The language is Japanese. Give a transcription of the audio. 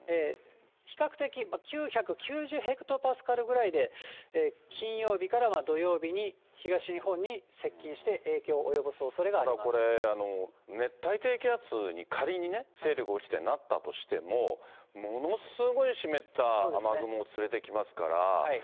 比較的、９９０ヘクトパスカルくらいで金曜日から土曜日に東日本に接近して、これ、熱帯低気圧に仮にね、勢力落ちてなったとしても、ものすごい湿った雨雲を連れてきますから。